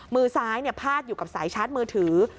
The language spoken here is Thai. มือซ้ายพาดอยู่กับสายชาร์จมือถือ